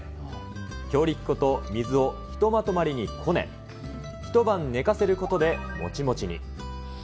強力粉と水を一まとまりにこね、一晩寝かせることでもちもちに。